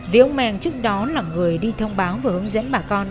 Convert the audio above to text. vì ông mèng trước đó là người đi thông báo và hướng dẫn bà con